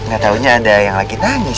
nggak tahunya ada yang lagi nangis